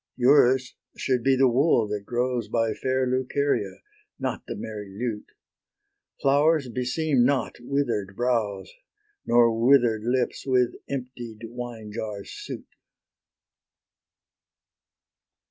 Yours should be the wool that grows By fair Luceria, not the merry lute: Flowers beseem not wither'd brows, Nor wither'd lips with emptied wine jars suit.